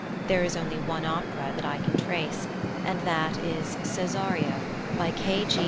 There is only one opera that I can trace, and that is Cesario, by +K. G.